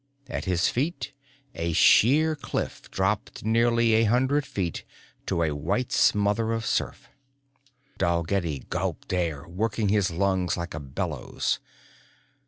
At his feet, a sheer cliff dropped nearly a hundred feet to a white smother of surf. Dalgetty gulped air, working his lungs like a bellows.